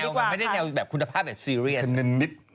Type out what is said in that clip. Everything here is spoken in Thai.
แล้วอีกแนวไงก็อีกแนวแบบคุณภาพแบบซีเรียส